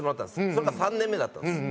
それが３年目だったんです。